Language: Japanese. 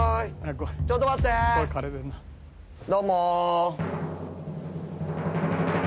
どうも。